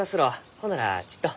ほんならちっと。